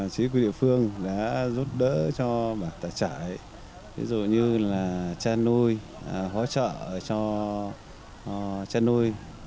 chính quyền địa phương đã giúp đỡ cho bản tà trải ví dụ như là cha nuôi hỗ trợ cho cha nuôi